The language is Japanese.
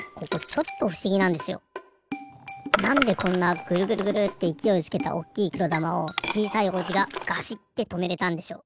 なんでこんなグルグルグルっていきおいつけたおっきいくろだまをちいさい王子がガシッてとめれたんでしょう？